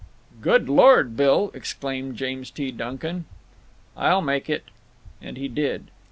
"Good Lord, Billl" exclaimed James T. Duncan. "I'll make it." And he did.